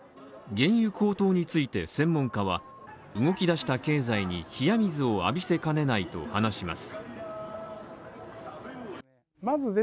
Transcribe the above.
原油高騰について専門家は動き出した経済に冷水を浴びせかねないと話します。